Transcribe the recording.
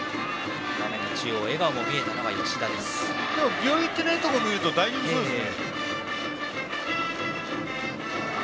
病院行っていないところ見ると大丈夫そうですね。